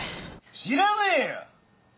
知らねえよ！